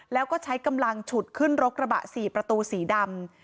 แล้วก็ใช้กำลังฉุดขึ้นรถกระบะ๔ประตูสีดำ